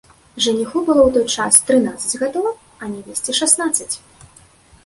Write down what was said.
Жаніху было ў той час трынаццаць гадоў, а нявесце шаснаццаць.